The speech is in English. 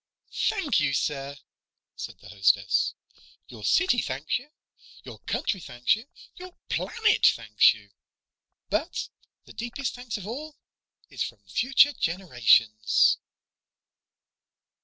"Thank you, sir," said the hostess. "Your city thanks you; your country thanks you; your planet thanks you. But the deepest thanks of all is from future generations."